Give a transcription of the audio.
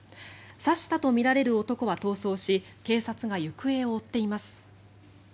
刺したとみられる男は逃走し警察が行方を追っています。